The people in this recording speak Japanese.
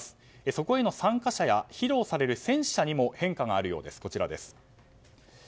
そこへの参加者や披露される戦車にも変化があるようです。